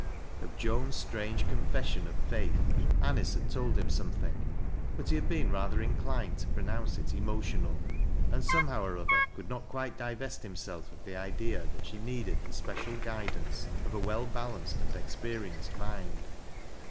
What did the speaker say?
Of Joan's strange canfession of faith, Anice had told him something, but he had been rather inclined to pro nounce it " emotional," and somehow or other could not quite divest himself of the idea that she needed the special guidauce of a well balanced and experienced mind.